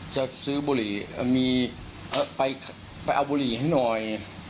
จะซื้อบุหรี่มีไปเอาบุหรี่ให้หน่อย